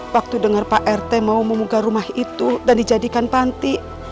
waktu dengar pak rt mau membuka rumah itu dan dijadikan panti